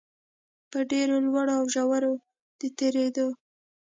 په ډېرو لوړو او ژورو د تېرېدو